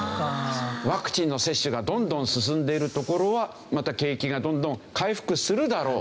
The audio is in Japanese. ワクチンの接種がどんどん進んでいる所はまた景気がどんどん回復するだろう。